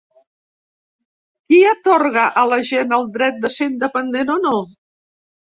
Qui atorga a la gent el dret de ser independent o no?